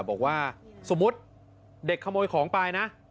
บอกว่าสมมุติเด็กขโมยของไปนะ